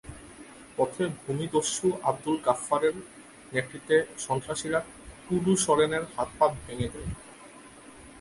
পথে ভূমিদস্যু আবদুল গাফফারের নেতৃত্বে সন্ত্রাসীরা টুডু সরেনের হাত-পা ভেঙে দেয়।